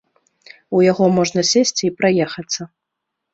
У яго можна сесці і праехацца.